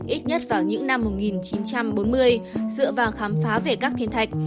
ít nhất vào những năm một nghìn chín trăm bốn mươi dựa vào khám phá về các thiên thạch